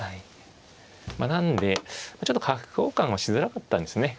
なんでちょっと角交換もしづらかったんですね。